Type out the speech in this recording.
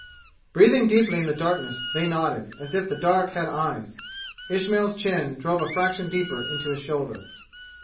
Breathing deeply in the darkness, they nodded, as if the dark had eyes. Ismail's chin drove a fraction deeper into his shoulder.